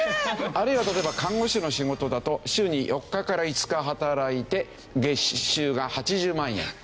あるいは例えば看護師の仕事だと週に４日から５日働いて月収が８０万円。